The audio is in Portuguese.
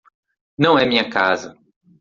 Não é minha casa.